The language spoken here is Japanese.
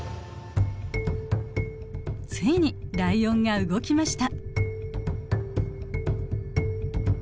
ついにライオンが動きました。